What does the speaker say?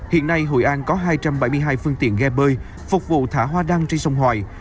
hiện nay hội an có hai trăm bảy mươi hai phương tiện ghe bơi phục vụ thả hoa đăng trên sông hoài